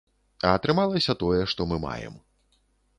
А атрымалася тое, што мы маем.